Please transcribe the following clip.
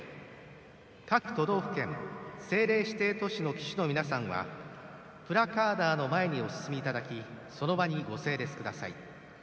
各都道府県政令指定都市の旗手の皆さんはプラカーダーの前にお進みいただきその場に、ご整列ください。